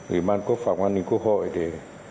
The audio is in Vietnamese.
ủy ban quốc phòng an ninh quốc hội để